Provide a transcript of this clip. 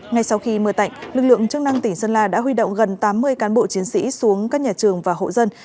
ngay sau khi mưa tạnh lực lượng chức năng tỉnh sơn la đã huy động gần tám mươi cán bộ chiến sĩ xuống các nhà trường và hộ dân